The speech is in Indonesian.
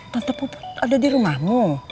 tante puput ada di rumahmu